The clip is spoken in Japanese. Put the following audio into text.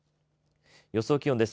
予想気温です。